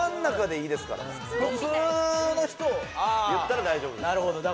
普通の人を言ったら大丈夫ですああ